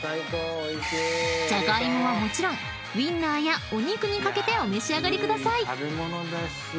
［ジャガイモはもちろんウインナーやお肉に掛けてお召し上がりください］